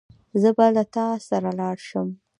زه به له تا سره لاړ شم.